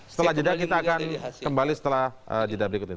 setelah jeda kita akan kembali setelah jeda berikut ini